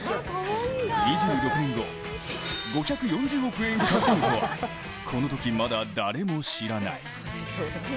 ２６年後、５４０億円稼ぐとはこのときまだ誰も知らない。